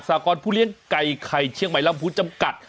สากรผู้เลี้ยงไก่ไข่เชียงใหม่ลำพูจำกัด